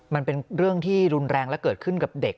มันเป็นเรื่องที่รุนแรงและเกิดขึ้นกับเด็ก